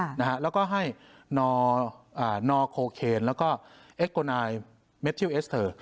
นะฮะแล้วก็ให้นออ่านอโคเคนแล้วก็เอ็กโกนายเมทิวเอสเตอร์